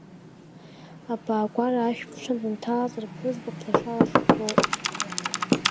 Абаагәара ашә ԥҽны дынҭалазар, ԥҳәызбак длаша-лашо дтәоуп.